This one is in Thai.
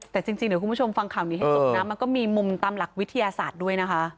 แต่จริงเดี๋ยวคุณผู้ชมฟังข่าวนี้ให้จบนะมันก็มีมุมตามหลักวิทยาศาสตร์ด้วยนะคะ